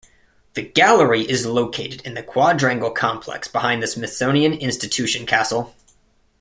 The Gallery is located in the Quadrangle Complex behind the Smithsonian Institution Castle.